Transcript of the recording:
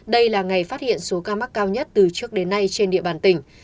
đây là ngày phát hiện số ca mắc cao nhất từ trước đến nay trên địa bàn tỉnh